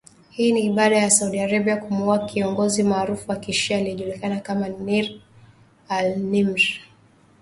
Hii ni baada ya Saudi Arabia kumuua kiongozi maarufu wa kishia, aliyejulikana kama Nimr al Nimr